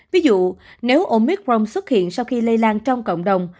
ví dụ nếu omicron xuất hiện sau khi lây lan trong cộng đồng